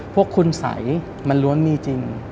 พวกคุณสัยมันล้วนมีจริง